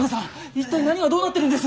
一体何がどうなってるんです？